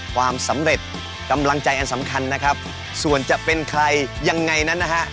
ความสำเร็จกำลังใจอันสำคัญนะครับส่วนจะเป็นใครยังไงนั้นนะฮะ